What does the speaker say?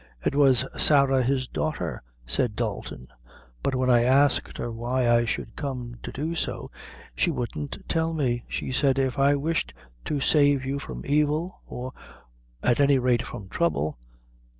"It was Sarah, his daughter," said Dalton; "but when I asked her why I should come to do so, she wouldn't tell me she said if I wished to save you from evil, or at any rate from trouble.